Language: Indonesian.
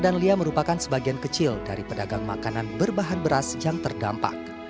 dan dia merupakan sebagian kecil dari pedagang makanan berbahan beras yang terdampak